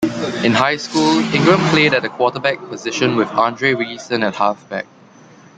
In high school, Ingram played at the quarterback position with Andre Rison at halfback.